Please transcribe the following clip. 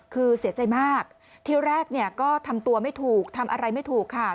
คือเสียใจมากที่แรกเนี่ยก็ทำตัวไม่ถูกทำอะไรไม่ถูกค่ะ